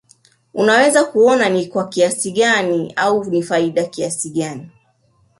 unaweza kuona ni kwa kiasi gani au ni faida kiasi gani